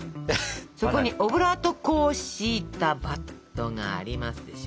そこにオブラート粉を敷いたバットがありますでしょ。